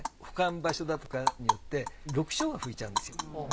保管場所だとかによって緑青が吹いちゃうんですよ。